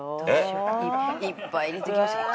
いっぱい入れてきましたから。